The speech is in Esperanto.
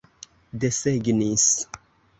desegnis